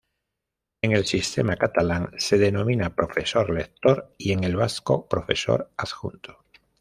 En el sistema catalán se denomina Profesor Lector y en el vasco Profesor Adjunto.